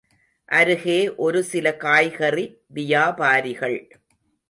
அருகே ஒருசில காய்கறி வியாபாரிகள்.